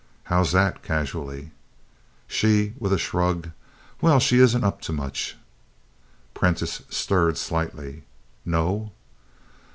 "How's that?" casually. "She " with a shrug "well, she isn't up to much." Prentiss stirred slightly. "No?"